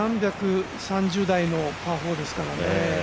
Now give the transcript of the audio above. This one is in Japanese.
３３０台のパー４ですからね。